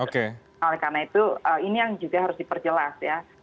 karena itu ini yang juga harus diperjelas ya